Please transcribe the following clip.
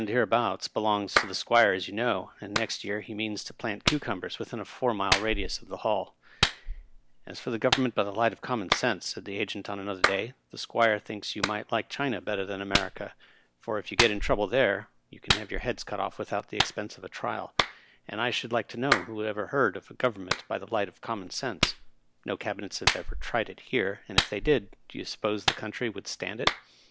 All the land hereabouts belongs to the Squire, as you know, and next year he means to plant cucumbers within a four mile radius of the Hall." "As for government by the light of common sense," said the agent on another day, "the Squire thinks you might like China better than America, for if you get in trouble there you can have your heads cut off without the expense of a trial; and I should like to know who ever heard of government by the light of common sense. No cabinets have ever tried it here, and, if they did, do you suppose the country would stand it?